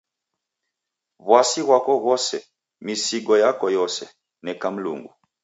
W'asi ghwako ghose, misigo yako yose, neka Mlungu.